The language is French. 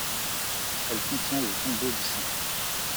Elle contient le tombeau du saint.